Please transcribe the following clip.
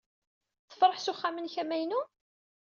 Tfeṛhed s uxxam-nnek amaynu?